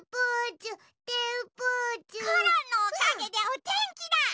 コロンのおかげでおてんきだ！